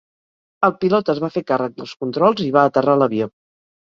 El pilot es va fer càrrec dels controls i va aterrar l'avió.